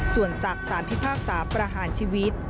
ส่วนศักดิ์สารพิพากษาประหารชีวิต